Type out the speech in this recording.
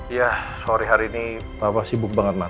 iya sore hari ini papa sibuk banget mak